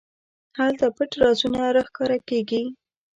هلته پټ رازونه راښکاره کېږي.